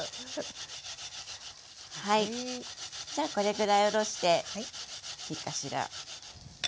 はいじゃあこれぐらいおろしていいかしら。